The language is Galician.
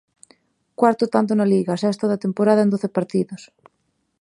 Cuarto tanto na Liga, sexto da temporada en doce partidos.